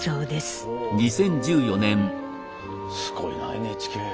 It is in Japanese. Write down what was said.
おおすごいなＮＨＫ。